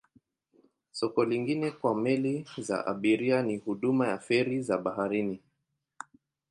Soko lingine kwa meli za abiria ni huduma ya feri za baharini.